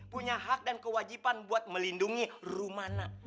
punya hak dan kewajiban buat melindungi rumana